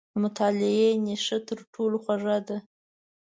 • د مطالعې نیشه تر ټولو خوږه ده.